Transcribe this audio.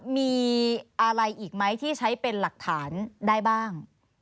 มีอะไรอีกไหมที่ใช้เป็นหลักฐานได้บ้าง